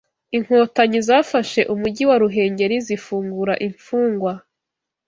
Inkotanyi zafashe Umujyi wa Ruhengeri zifungura imfungwa